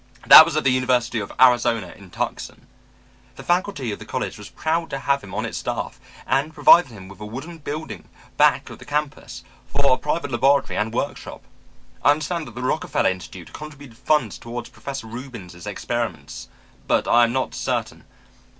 That was at the University of Arizona in Tucson. "The faculty of the college was proud to have him on its staff and provided him with a wooden building back of the campus, for a private laboratory and workshop. I understand that the Rockefeller Institute contributed funds towards Professor Reubens' experiments, but I am not certain.